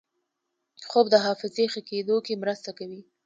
خوب د حافظې ښه کېدو کې مرسته کوي